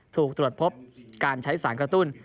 ถูกตรวจพบการใช้สารกระตุ้น